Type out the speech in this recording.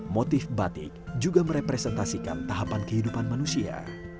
motif batik juga merepresentasikan tahapan kehidupan manusia